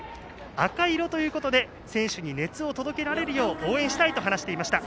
赤色ということで選手に熱を届けられるよう応援したいと話していました。